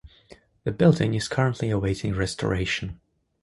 The building is currently awaiting restoration.